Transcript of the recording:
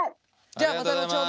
じゃあまた後ほど。